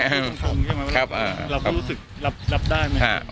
รับรู้สึกรับได้ไหม